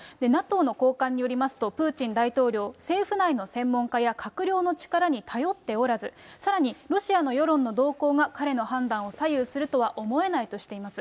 ＮＡＴＯの高官によりますと、プーチン大統領、政府内の専門家や閣僚の力に頼っておらず、さらにロシアの世論の動向が彼の判断を左右するとは思えないとしています。